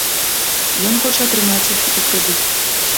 Ён хоча атрымаць іх у крэдыт.